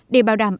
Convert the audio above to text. để bảo đảm